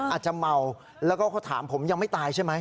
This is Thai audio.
อาจจะเมาแล้วก็เขาถามผมยังไม่ตายใช่ไหม